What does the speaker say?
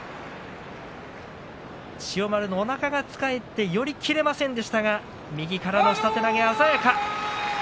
千代丸のおなかがつかえて寄り切れませんでしたが右からの下手投げが鮮やかです。